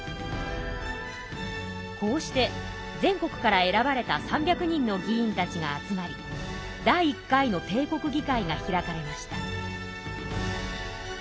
こうして全国から選ばれた３００人の議員たちが集まり第１回の帝国議会が開かれました。